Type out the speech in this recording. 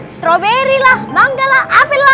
strawberry lah manga lah apel lah